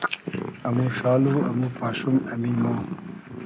امو شال و امو پاشوم ، امی مۉ